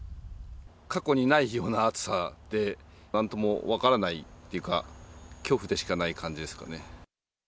過去にないような暑さで、なんとも分からないというか、恐怖でしかない感じですかね。